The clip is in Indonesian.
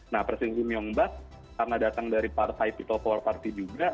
nah presiden im yong bak karena datang dari partai people power party juga